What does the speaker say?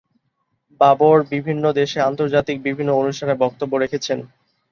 বাবর বিভিন্ন দেশে আন্তর্জাতিক বিভিন্ন অনুষ্ঠানে বক্তব্য রেখেছেন।